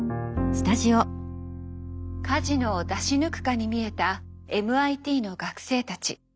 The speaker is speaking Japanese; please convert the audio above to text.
カジノを出し抜くかに見えたＭＩＴの学生たち。